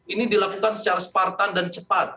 ini dilakukan secara spartan dan cepat